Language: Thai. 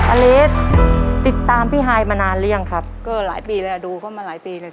อเลสติดตามพี่ฮายมานานหรือยังครับก็หลายปีแล้วดูเข้ามาหลายปีเลย